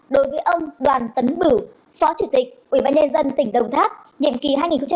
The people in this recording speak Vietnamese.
đối với ông đoàn tấn bửu phó chủ tịch ubnd tỉnh đồng tháp nhiệm kỳ hai nghìn hai mươi một hai nghìn hai mươi sáu